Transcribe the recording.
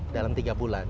dalam tiga bulan